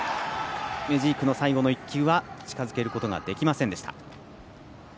メジークの最後の１球は近づけることができませんでした。